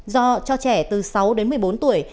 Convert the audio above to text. do cho trẻ từ sáu đến một mươi bốn tuổi